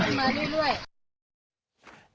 น้ำขึ้นมาเรื่อย